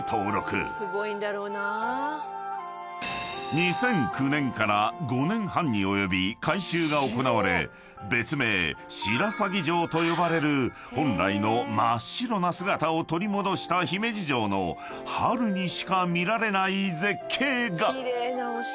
［２００９年から５年半に及び改修が行われ別名白鷺城と呼ばれる本来の真っ白な姿を取り戻した姫路城の春にしか見られない絶景が］